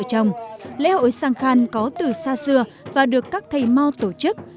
chồng lễ hội sang khăn có từ xa xưa và được các thầy mo tổ chức